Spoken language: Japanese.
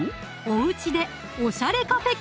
おうちでおしゃれカフェ